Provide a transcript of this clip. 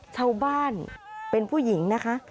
ชาวบ้านเป็นผู้หญิงนะคะ